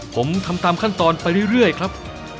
ผมทำตามขั้นตอนไปเรื่อยครับ